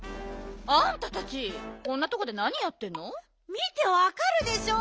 見てわかるでしょ？